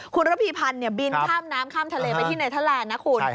คุณระพีพันธ์บินข้ามน้ำข้ามทะเลไปที่เนเทอร์แลนด์นะคุณ